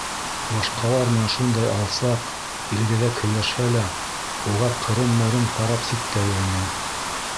Башҡалар менән шундай алсаҡ, илгәҙәк һөйләшһә лә, уға ҡырын-мырын ҡарап ситтә йөрөнө.